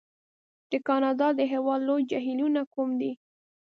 د کانادا د هېواد لوی جهیلونه کوم دي؟